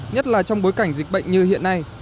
nhất là trong bối cảnh dịch bệnh như hiện nay